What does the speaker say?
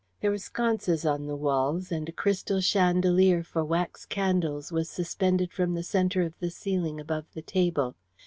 There were sconces on the walls, and a crystal chandelier for wax candles was suspended from the centre of the ceiling above the table.